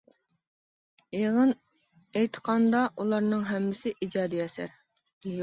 يىغىن ئېيتقاندا، ئۇلارنىڭ ھەممىسى ئىجادىي ئەسەر.